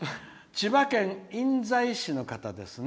千葉県印西市の方ですね。